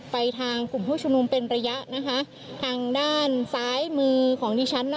ไปทางกลุ่มผู้ชุมนุมเป็นระยะนะคะทางด้านซ้ายมือของดิฉันน่ะ